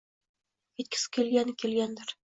ketgisi kelgani-kelgandir